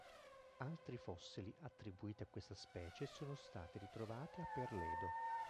Altri fossili attribuiti a questa specie sono stati ritrovati a Perledo.